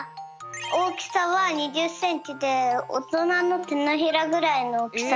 おおきさは２０センチでおとなのてのひらぐらいのおおきさだよ。